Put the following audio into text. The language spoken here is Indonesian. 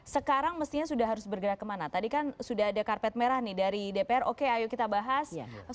sekarang mestinya sudah harus bergerak kemana tadi kan sudah ada karpet merah nih dari dpr oke ayo kita bahas